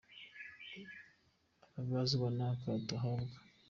Ababazwa n’akato ahabwa